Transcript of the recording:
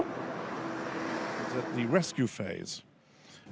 công tác tìm kiếm cứu hộ